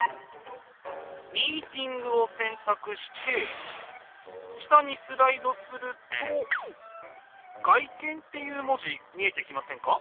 「ミーティング」を選択して下にスライドすると「外見」っていう文字見えてきませんか？